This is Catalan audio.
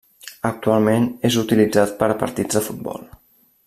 Actualment és utilitzat per a partits de futbol.